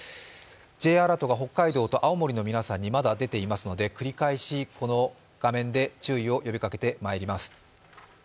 Ｊアラートと北海道と青森の皆さんにまだ出ていますので、繰り返し、この画面で注意を呼びかけてまいります。